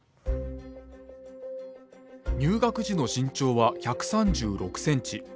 入学時の身長は１３６センチ。